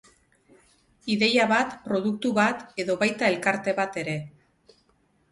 Ideia bat, produktu bat edo baita elkarte bat ere.